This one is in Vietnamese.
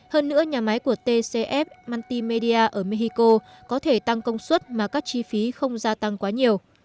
hơn nữa nhà máy của tcf maltimedia ở mexico có thể tăng công suất mà các chi phí không gia tăng quá nhiều